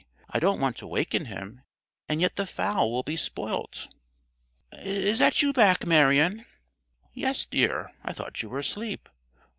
I don't want to waken him, and yet the fowl will be spoilt." "Is that you back, Marion?" "Yes, dear; I thought you were asleep."